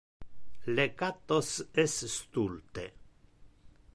Le cattos es stulte.